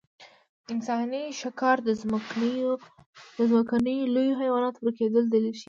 انساني ښکار د ځمکنیو لویو حیواناتو ورکېدو دلیل ښيي.